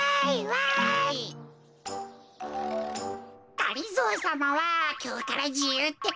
がりぞーさまはきょうからじゆうってか？